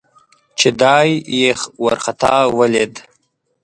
چې دای یې ورخطا ولید.